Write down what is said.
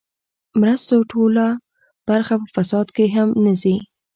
مرستو ټوله برخه په فساد کې هم نه ځي.